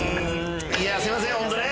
いやすいませんほんとね。